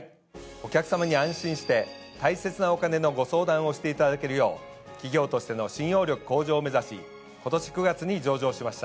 お客様に安心して大切なお金のご相談をしていただけるよう企業としての信用力向上を目指し今年９月に上場しました。